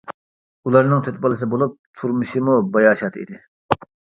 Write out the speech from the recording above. ئۇلارنىڭ تۆت بالىسى بولۇپ، تۇرمۇشىمۇ باياشات ئىدى.